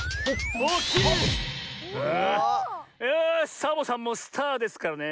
サボさんもスターですからね